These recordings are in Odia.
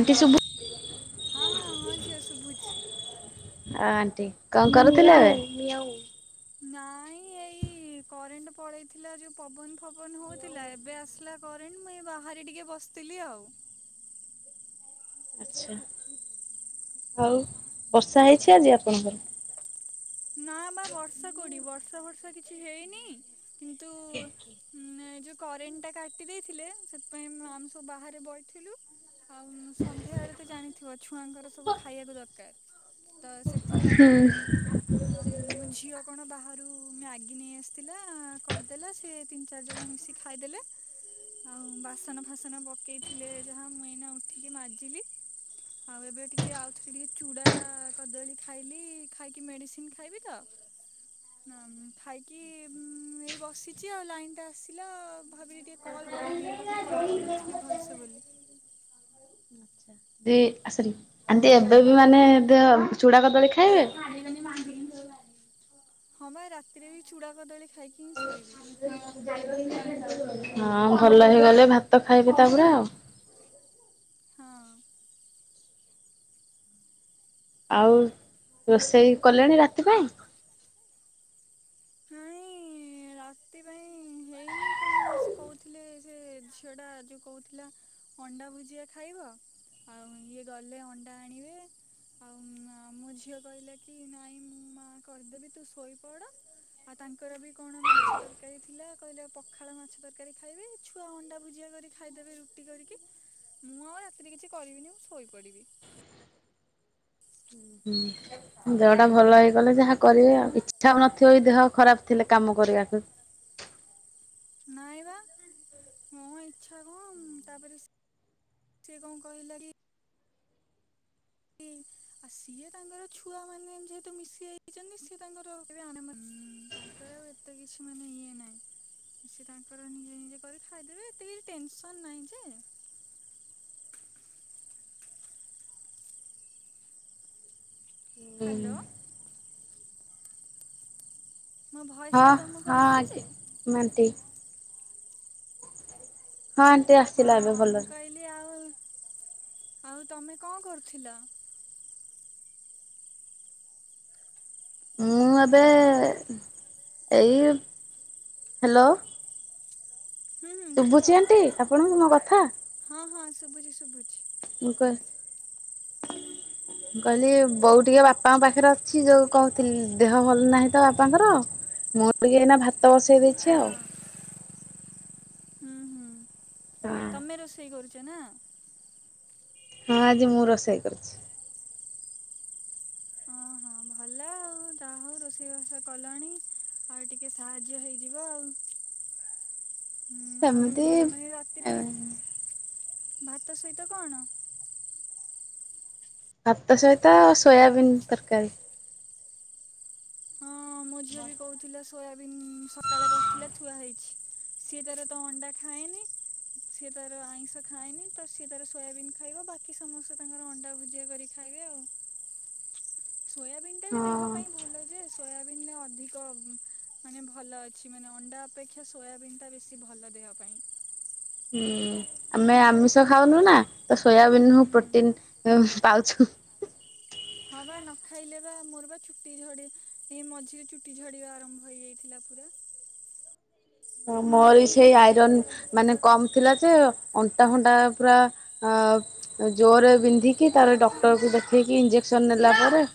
ଆଣ୍ଟି ଶୁଭୁ [inaudible] ହଁ ହଁ ହଁ ଝିଅ ଶୁଭୁଛି। ଆଉ ଆଣ୍ଟି କଣ କରୁଥିଲେ? ନାଇଁ ଏ-ଇ-ଇ-ଇ କରେଣ୍ଟ ପଳେଇଥିଲା ଯୋଉ ପବନ ଫବନ ହଉଥିଲା ଏବେ ଆସିଲା କରେଣ୍ଟ ମୁଁ ଏଇ ବାହାରେ ଟିକେ ବସିଥିଲି ଆଉ। ଆଚ୍ଛା ହଉ ବର୍ଷା ହେଇଛି ଆଜି ଆପଣଙ୍କର? ନା ବା ବର୍ଷା କୋଉଠି ବର୍ଷା ବର୍ଷା କିଛି ହେଇନି। କିନ୍ତୁ-ଉ-ଉ-ଉ ଏ ଯଉ କରେଣ୍ଟ ଟା କାଟି ଦେଇଥିଲେ ସେଥିପାଇଁ ଉ ଆମେ ସବୁ ବାହାରେ ବଇଥିଲୁ। ଆଉ-ଉ-ଉ ସନ୍ଧ୍ୟା ବେଳେ ତ ଜାଣିଥିବ ଛୁଆଙ୍କର ସବୁ ଖାଇବାକୁ ଦରକାର। ତ ସେଥିପାଇଁ-ଇ-ଇ-ଇ ହଁ ଉ-ଉ ମୋ ଝିଅ କଣ ବାହାରୁ-ଉ-ଉ ମ୍ୟାଗି ନେଇ ଆସିଥିଲା-ଆ କରିଦେଲା ସେ ତିନି ଚାରି ଜଣ ମିଶି ଖାଇଦେଲେ। ଆଉ ବାସନ ଫାସନ ପକେଇଥିଲେ ଯାହା ମୁଁ ଏଇନା ଉଠିକି ମାଜିଲି। ଆଉ ଏବେ ଟିକେ ଆଉଥରେ ଟିକେ ଚୁଡା-ଆ-ଆ କଦଳୀ ଖାଇଲି ଖାଇକି ମେଡିସି ସିନ ଖାଇବି ତ ହୁଁ ଖାଇକି-ଇ-ଇ-ଇ ଉ-ଉ-ଉ ଏଇ ବସିଛି ଆଉ ଲାଇନ ଟା ଆସିଲା ଭାବିଲି ଟିକେ କଲ୍ କରିଦିଏ କଥା ହେଇ ପାରିନଥିଲି ଭଲସେ ବୋଲି। ଦେ ଆସରି ଆଣ୍ଟି ଏବେ ବି ମାନେ ଦେହ ଚୂଡ଼ା କଦଳୀ ଖାଇବେ? [unintelligible] ହଁ ବା ରାତିରେ ବି ଚୂଡ଼ା କଦଳୀ ଖାଇକି ହିଁ ଶୋଇବି। ହଁ ଭଲ ହେଇଗଲେ ଭାତ ଖାଇବେ ତାପରେ ଆଉ। ହଁ। ଆଉ-ଉ-ଉ ରୋଷେଇ କଲେଣି ରାତିପାଇ? ନାଁଇ-ଇ-ଇ-ଇ ଇ ରାତି ପାଇଁ ହେଇନି କଣ ସେ କହୁଥିଲେ ସେ ଝିଅଟା ଯେଉ କହୁଥିଲା ଅଣ୍ଡା ଭୁଜିଆ ଖାଇବ, ଆଉ ଇଏ ଗଲେ ଅଣ୍ଡା ଆଣିବେ। ଉ-ଉ ମ ମୋ ଝିଅ କହିଲା କି ନାଇଁ ମୁଁ ମା କରିଦେବି ତୁ ଶୋଇପଡ। ଆଉ ତାଙ୍କର ବି କଣ ମାଛ ତରକାରୀ ଥିଲା କହିଲେ ପଖାଳ ମାଛ ତରକାରୀ ଖାଇବେ, ଛୁଆ ଅଣ୍ଡା ଭୁଜିଆ କରି ଖାଇଦେବେ ରୁଟି କରିକି। ମୁଁ ଆଉ ରାତିରେ କିଛି କରିବିନି ମୁଁ ଶୋଇପଡ଼ିବି। ହୁଁ। [unintelligible] ଦେହଟା ଭଲ ହେଇଗଲେ ଯାହା କରିବେ ଆଉ। ଇଚ୍ଛା ନଥିବ ଦେହ ଖରାପ ଥିଲେ କାମ କରିବାକୁ ନାଇଁ ବା ମୋ ଇଚ୍ଛାକୁ ତାପରେ ସେ ସେ କଣ କହିଲା କି ଇ-ଇ ସିଏ ତାଙ୍କର ଛୁଆ ମାନେ ଯେହେତୁ ମିଶି ଯାଇଛନ୍ତି ସିଏ ତାଙ୍କର [unintelligible] ତ କିଛି ମାନେ ଇଏ ନାହିଁ। ସିଏ ତାଙ୍କର ନିଜେ ନିଜେ କରି ଖାଇଦେବେ ଏତେ କିଛି ଟେନସନ ନାହିଁ ଯେ। ହ୍ୟାଲୋ। ମୋ ଭଏସ୍ ଟା ତମକୁ ଆସୁଛି? ମାଟି। ହଁ ଆଣ୍ଟି ହଁ ଆସିଲା ଏବେ ମୁଁ ଭଲରେ। କହିଲି ଆଉ ଆଉ ତମେ କଣ କରୁଥିଲ? ମୁଁ ଏବେ ହ୍ୟାଲୋ ଏଇ ହ୍ୟାଲୋ। ହୁଁ ହୁଁ ଶୁଭୁଛି କୁହ ଆଣ୍ଟି ଆପଣଙ୍କୁ ମୋ କଥା ହଁ ହଁ ଶୁଭୁଛି ଶୁଭୁଛି। ମୁଁ କଅ। ମୁଁ କହିଲି ବୋଉ ଟିକେ ବାପାଙ୍କ ପାଖରେ ଅଛି ଯୋଉ କହୁଥିଲି ଦେହ ଭଲ ନାହିଁ ତ ବାପାଙ୍କର। ମୁଁ ବି ଏଇନା ଭାତ ବସେଇ ଦେଇଛି ହଁ ଆଉ। ହୁଁ ହୁଁ ହଁ ତମେ ରୋଷେଇ କରୁଚ ନା? ହଁ ଆଜି ମୁଁ ରୋଷେଇ କରିୁଛି। ଅଁ ହଁ ଭ ଭଲ ଆଉ ଯାହା ହଉ ରୋଷେଇ ବାସ କଲାଣି। ଆଉ ଟିକେ ସାହାଯ୍ୟ ହେଇଯିବ ଆଉ। ହୁଁ ଆଉ ସେମିତି ମାନେ ରାତିରେ ଭାତ ସହିତ କଣ? ଭାତ ସହିତ ସୋୟାବିନ୍ ତରକାରୀ। ହଁ ମୋ ଝିଅ ବି କହୁଥିଲା ସୋୟାବିନ୍ ସକାଳେ କରିଥିଲା ଥୁଆ ହେଇଚି। ସିଏ ତାର ତ ଅଣ୍ଡା ଖାଏନି। ସିଏ ତାର ଆଇଁଷ ଖାଏନି ତ ସିଏ ତାର ସୋୟାବିନ୍ ଖାଇବ। ବାକି ସମସ୍ତେ ତାଙ୍କର ଅଣ୍ଡା ଭୁଜିଆ କରି ଖାଇବେ ଆଉ ସୋୟାବନ୍ ଟା ବି ହଁ ଦେହ ପାଇଁ ଭଲ ଯେ ସୋୟା ବିନ ରେ ଅଧିକ ମାନେ ଭଲ ଅଛି ମାନେ ଅଣ୍ଡା ଅପେକ୍ଷା ସୋୟାବନ୍ ଟା ବେଶୀ ଭଲ ଦେହ ପାଇଁ। ହୁଁ ଆମେ ଆମିଷ ଖାଉନୁ ନା ତ ସୋୟାବିିନ ହୁଁ। ହ ପ୍ରୋଟିନ୍ ପାଉଛୁ। ହଁ ବା ନ ଖାଇଲେ ବା ମୋର ବା ଚୁଟି ଝଡି ଏଇ ମଝିରେ ଚୁଟି ଝଡିବା ଆରମ୍ଭ ହେଇଯାଇଥିଲା ପୁରା। ହଁ ମୋର ବି ସେଇ ଆଇରନ୍ ମାନେ କମ ଥିଲା ଯେ ଅଣ୍ଟା ଫଣ୍ଟା ପୁରା ଅ ଜୋରରେ ବିନ୍ଧିକି ତାପରେ ଡକ୍ଟରକୁ ଦେଖେଇକି ଇଞ୍ଜେକ୍ସନ୍ ନେଲା ପରେ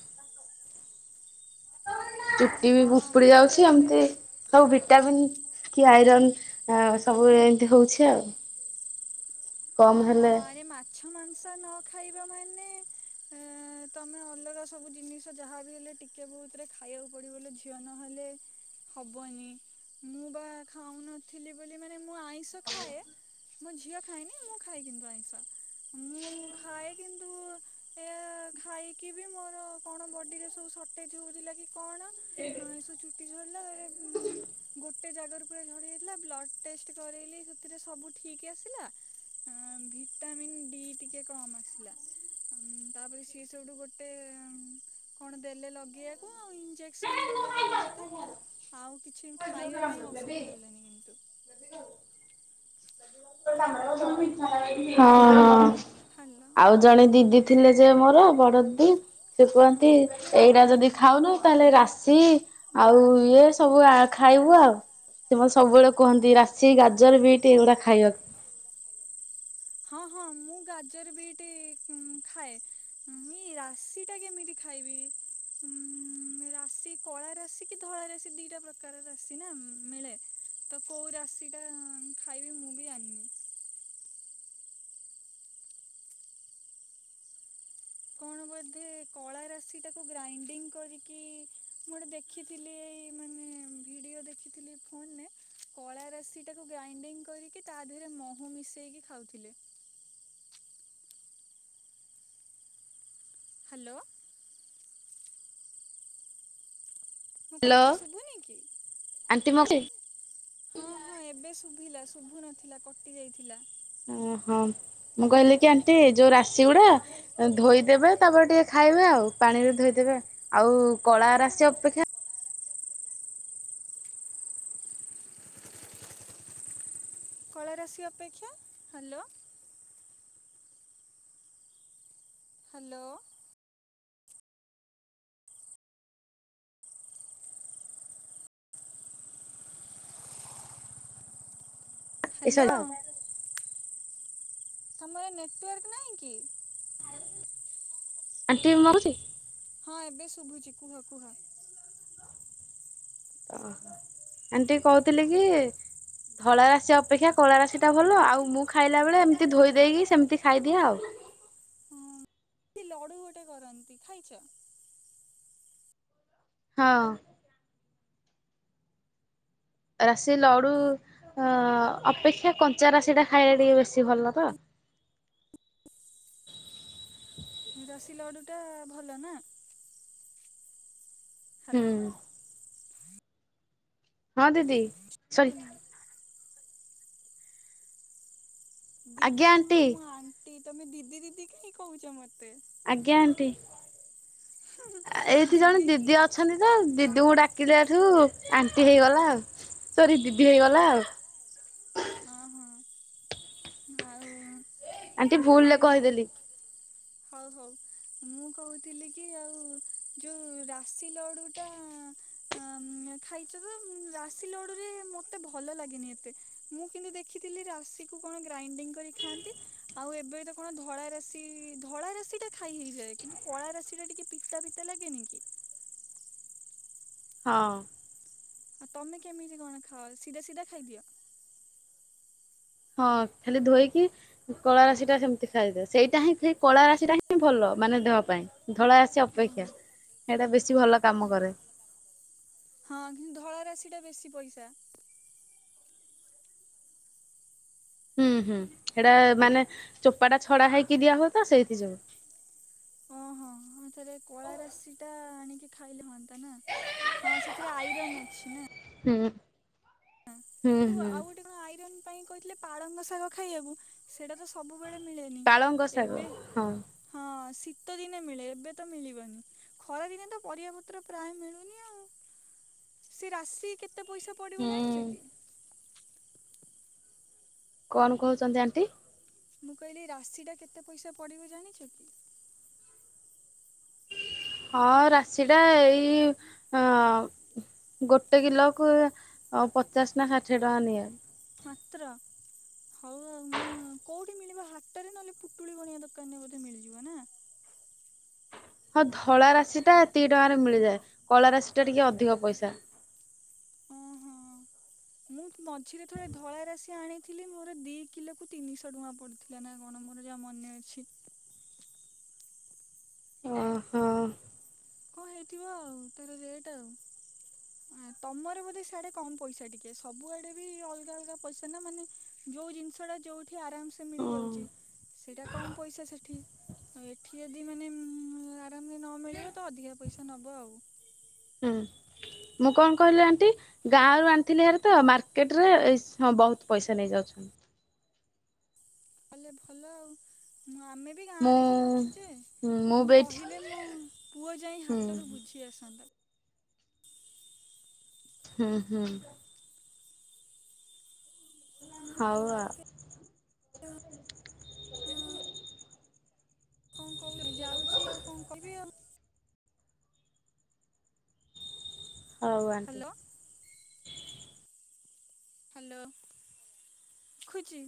ଚୁଟି ବି ହଁ ଉପୁଡି ମୋର ଯାଉଛି ଏବେ ଏମତି ସବୁ ଭିଟାମିନ୍ କି ଆଇରନ୍ ଆ ସବୁ ଏମତି ହଉଛି ଆଉ। କମ ହେଲେ ଏଇ ମାଛ ମାଂସ ନ ଖାଇବା ମାନେ ଏ ତମେ ଅଲଗା ସବୁ ଜିନିଷ ଯାହା ବି ହେଲେ ଟିକେ ବହୁତରେ ଖାଇବାକୁ ପଡିବ ବୋଲି ଝିଅ ନହେଲେ ହବନି ମୁଁ ବା ଖାଉନଥିଲି ବୋଲି ମାନେ ମୁଁ ଆଇଁଷ ଖାଏ। ମୋ ଝିଅ ଖାଏନି ମୁଁ ଖାଏ କିନ୍ତୁ ଆଇଁଷ। ମୁଁ ଖାଏ କିନ୍ତୁ ଏଆ ଖାଇକି ବି ମୋର କଣ ବଡ଼ିରେ ସବୁ ଶଟେଜ୍ ହଉଥିଲା କି କଣ ଅଁ ଏ ସ ଚୁଟି ଝଡିଲା ତା ପରେ ଗୋଟେ ଜାଗାରୁ ପୁରା ଝଡି ଯାଇଥିଲା ବ୍ଲଡ଼ ଟେଷ୍ଟ କରେଇଲି ସେଥିରେ ସବୁ ଠିକ୍ ଆସିଲା ଏଁ ଭି ଭିଟାମିନ୍ ଡି ଟିକେ କମ୍ ଆସିଲା। ଉଁ ତାପରେ ସିଏ ସେଉଠୁ ଗୋଟେ କଣ ଦେଲେ ଲଗେଇବାକୁ ଆଉ ଇଞ୍ଜେକ୍ସନ୍ ଦେଲେ ଯାହା ମୋତେ ଆଉ କିଛି ଖାଇବା ପାଇଁଁ ଔଷଧ ଦେଲେନି କିନ୍ତୁ। ତ ତାଙ୍କର ସବୁ [unintelligible] ହଁ ହଁ ହ୍ୟାଲୋ ଆଉ ଜଣେ ଦିଦି ହୁଁ ଥିଲେ ଯେ ମୋର ବଡ ଦିଦି। ସେ କୁହନ୍ତି ହୁଁ ଏଇଟା ହୁଁ। ଯଦି ଖାଉନୁ ତାହେଲେ ରାଶି ଆଉ ଇଏ ସବୁ ଆ ଖାଇବୁ ଆଉ। ସିଏ ମତେ ସବୁବେଳେ କୁହନ୍ତି ରାଶି ଗାଜର ବିଟ ଏଗୁଡା ଖାଇବାକୁ। ହଁ ହଁ ମୁଁ ଗାଜର ବିଟ୍ ଉଁ ଖାଏ। ଉଁ ଏଇ ରା ଶୀ ଟା କେମିତି ଖାଇବି? ଉଁ ହୁଁ ରାଶି କଳା ରାଶି କି ଧଳା ରାଶି ଦିଟା ପ୍ରକାର ରାଶି ନା ଉଁ ମିଳେ। ତ କୋଉ ରାଶିଟା-ଆଁ ଖାଇବି ମୁଁ ବି ଜାଣିନି? କଣ ବୋଧେ, କଳା ରାଶି ଟାକୁ ଗ୍ରାଇଣ୍ଡିଙ୍ଗ୍ କରିକି, ମୁଁ ଗୋଟେ ଦେଖ୍ ଖିଥିଲି ଏଇ ମାନେ ଭିଡ଼ିଓ ଦେଖିଥିଲି, ଫୋନ୍ ନେ କଳାରାଶି ଟାକୁ ଗ୍ରାଇଣ୍ଡିଙ୍ଗ୍ କରିକି, ତା ଦେହରେ ମହୁ ମିଶେଇକି ଖାଉଥିଲେ। ହ୍ୟାଲୋ। ମୋ ହ୍ୟାଲୋ। କଥା ଶୁଭୁନି କି? ଆଣ୍ଟି ମକି ହଁ, ହଁ ଏବେ ଶୁଭିଲା। ଶୁଭୁ ନଥିଲା କଟି ଯାଇଥିଲା। ଓହୋ! ମୁଁ କହିଲି କି ଆଣ୍ଟି ଯୋଉ ରାଶିଗୁଡା ଧୋଇଦେବେ, ତା'ପରେ ଟିକେ ଖାଇବେ ଆଉ। ପାଣିରେ ଧୋଇଦେବେ ଆଉ। କଳା ରାଶି ଅପେକ୍ଷା କଳା ରାଶି ଅପେକ୍ଷା, ହ୍ୟାଲୋ! ହ୍ୟାଲୋ। ଏ ସରି ହ୍ୟାଲୋଁ। ତମର ନେଟ୍ ୱାର୍କ ନାହିଁ କି? ଆଣ୍ଟି ମଉଛି। ହଁ, ଏବେ ଶୁଭୁଛି। କୁହ, କୁହ। ଓହୋ! ଆଣ୍ଟି କହୁଥିଲି କି ଧଳା ରାଶି ଅପେକ୍ଷା କଳା ରାଶିଟା ଭଲ। ଆଉ ମୁଁ ଖାଇଲା ବଳେ ଏମିତି ଧୋଇ ଦେଇକି, ସେମିତି ଖାଇଦିଏ ଆଉ। ହଁ। ଲଡୁ ଗୋଟେ କରନ୍ତି ଖାଇଛ? ହଁ। ରାଶି ଲଡୁ ଅ-ଅପେକ୍ଷା କଞ୍ଚା ରାଶି ଟା ଖାଇବା ଟିକେ ବେଶୀ ଭଲ ତ। ରାଶି ଲଡ଼ୁଟା ଭଲ ନା! ହୁଁ। ହ୍ୟାଲୋ। ହଁ ଦିଦି। ସରି ତୁନି। ଆଜ୍ଞା ଦିଦି ଆଣ୍ଟି ନୁହଁ ମୁଁ ଆଣ୍ଟି, ତମେ ଦିଦି ଦିଦି କାହିଁ କହୁଛ ମତେ? ଆଜ୍ଞା, ଆଣ୍ଟି ଏଇଠି ଜଣେ ଦିଦି ଅ ଅଛନ୍ତି ତ, ଦିଦିକୁ ଡାକିଲା ଠୁ ଆଣ୍ଟି ହେଇଗଲା ଆଉ। ସରି ଦିଦି ହେଇଗଲା ଆଉ। ଅ ହଁ। ଆଉଁ। ଆଣ୍ଟି ଭୁଲ୍ ଲେ କହିଦେଲି। ହଉ, ହଉ, ମୁଁ କହୁଥିଲି କି ଆଉ, ଯୋଉ ରାଶି ଲଡ଼ୁ ଟାଁ ହଁ, ଉମ୍ ଖାଇଛ ତ, ରାଶି ଲଡୁରେ ମତେ ଭଲ ଲାଗେନି ଏତେ। ମୁଁ, କିନ୍ତୁ ଦେଖିଥିଲି ରାଶିକୁୁ କଣ ଗ୍ରାଇଣ୍ଡିଙ୍ଗ୍ କରିକି ଖାଆନ୍ତି। ଆଉ ଏବେ ତ କଣ ଧଳା ରାଶି ଧଳା ରାଶି ଟା ଖାଇ ହେଇଯାଏ। କିନ୍ତୁ କଳା ରାଶି ଟା ଟିକେ ପିତା ପିତା ଲାଗେନି କି? ହଁ। ଆଉ ତମେ କେମିତି କଣ ଖାଅ? ସିଧା ସିଧା ଖାଇଦିଅ? ହଁ, ଖାଲି ଧୋଇକି କଳାରାଶି ଟା ସେମିତି ଖାଇବେ। ସେଇଟା ହିଁ ସେ କଳାରାଶି ଟା ହିଁ ଭଲ, ମାନେ ଦେହ ପାଇଁ। ଧଳା ରାଶି ଅପେକ୍ଷା ଓହୋ। ସେଇଟା ବେଶୀ ଭଲ କାମ କରେ। ହଁ, ହିଁ ଧଳା ରାଶି ଟା ବେଶୀ ପଇସା। ହୁଁ, ହୁଁ ହେଇଡା ମାନେ ଚୋପାଟା ଛଡା ହେଇକି ଦିଆ ହୁଏତ ସେଇଥିଯୋଗୁଁ। ଓହୋ ହଁ, ଥରେ କଳାରାଶି ଟା, ଆଣିକି ଖାଇଲେ ହଅନ୍ତା ନା? ହଁ ସେ ଏଥିରେ ଆଇରନ୍ ଅଛି ନା! ହୁଁ। ହୁଁ ତୁ ହୁଁ ଆଉ ଗୋଟେ କଣ ଆଇରନ ପାଇଁ କହିଥିଲେ ପାଳଙ୍ଗ ଶାଗ ଖାଇବାକୁ। ସେଇଟା ତ ସବୁବେଳେ ମିଳେନି। ପାଳଙ୍ଗ ଶାଗ ଏବେ ହଁ ହଁ ଶୀତ ଦିନେ ମିଳେ ଏବେ ତ ମିଳିବନି। ଖରାଦିନେ ତ ପରିବା ପତ୍ର ପ୍ରାୟ ମିଳୁନି ଆଉ। ସେ ରାଶି କେ ତେ ପଇସା ପଡ଼ିବ ହୁଁ ଜାଣିଚ କି? କଣ କହୁଛନ୍ତି ଆଣ୍ଟି। ମୁଁ କହିଲି ରାଶିଟା କେତେ ପଇସା ପଡ଼ିବ ଜାଣିଚ କି? ହଁ ରାଶି ଟା ଏଇ ଅଁ ଗୋଟେ କିଲୋକୁ ପଚାଶ ନା ଷାଠିଏ ଟଙ୍କା ନିଏ। ମାତ୍ର। ହଉ ଆଉ ମୁଁ କୋଉଠି ମିଳିବ ହାଟରେ ନହେଲେ ପୁଟୁଳି ବଣିଆ ଦୋକାନରେ ବୋଧେ ମିଳିଯିବ ନା। ହଁ ଧଳା ରାଶିଟା ଏତିିକି ଟଙ୍କାରେ ମିଳିଯାଏ କଳା ରାଶିଟା ଟିକେ ଅଧିକ ପଇସା। ଉଁ ହୁଁ। ମୁଁ ମଝିରେ ଥରେ ଧଳା ରାଶି ଆଣିଥିଲି ମୋର ଦି କିଲୋକୁ ତିନିଶହ ଟଙ୍କା ପଡ଼ିି ଥିଲା ନା କଣ ମୋର ଯାହା ମନେ ଅଛି। ଓହୋ ହଁ କଁ ହେଇଥିବ ଆଉ ତାର ରେଟ୍ ଆଉ। ଅ ତମର ବୋଧେ ସିଆଡ଼େ କମ୍ ପଇସା ଟିକେ ସବୁଆଡ଼େ ବି ଅଲଗା ଅଲଗା ପଇସା ନା ମାନେ ଯୋଉ ଜିନିଷଟା ଯୋଉ ଠି ଆରାମସେ ମିଳିଯାଉଚି। ହୁଁ ସେଇଟା କମ ପଇସା ସେଠି ଆଉ ଏଠି ଯଦି ମାନେ ଆରାମରେ ନ ମିଳିବ ତ ଅଧିକା ପଇସା ନବ ଆଉ। ମୁଁ କଣ କହିଲି ଆଣ୍ଟି। ଗାଁ ରୁ ଆଣିଥିଲି ହାରିତ ମାର୍କେଟ ରେ ସ ବହୁତ ପଇସା ନେଇଯାଉଛନ୍ତି। ତାହେଲେ ଭଲ ଆଉ ହୁଁ ଆମେ ଏଇ ଗାଁ ମୁଁ ରେ ହିଁ ଅଛୁ ଯେ ମୁଁ ବି ଏଇଠି କହିଲେ ମୋ ପୁଅ ଯାଇ ହୁଁ ହାଟରୁ ବୁଝି ଆସନ୍ତା। ହୁଁ ହୁଁ। ହଉ ଆ ଆଉ କେ କଣ କହୁନି ଯାଉଛି ଆଉ କଣ କହିବି ଆଉ। ଅଉ ଆଣ୍ଟି। Hello hello ଖୁଚି।